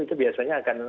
itu biasanya akan